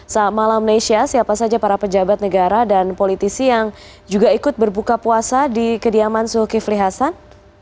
saat malam nesya siapa saja para pejabat negara dan politisi yang juga ikut berbuka puasa di kediaman zulkifli hasan